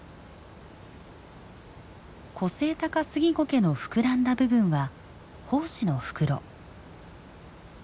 コセイタカスギゴケの膨らんだ部分は胞子の袋。